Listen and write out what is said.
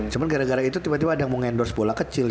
cuman gara gara itu tiba tiba ada yang mau endorse bola kecil